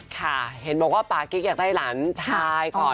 ค่ะเห็นบอกว่าปากิ๊กอยากได้หลานชายก่อน